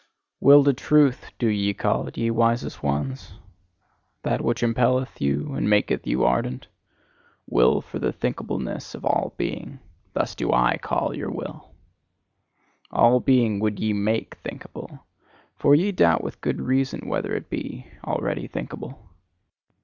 "Will to Truth" do ye call it, ye wisest ones, that which impelleth you and maketh you ardent? Will for the thinkableness of all being: thus do I call your will! All being would ye MAKE thinkable: for ye doubt with good reason whether it be already thinkable.